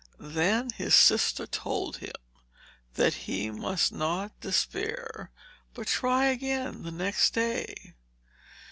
Then his sister told him that he must not despair, but try again the next day.